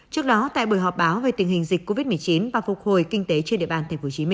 trước đó tại buổi họp báo về tình hình dịch covid một mươi chín và phục hồi kinh tế trên địa bàn tp hcm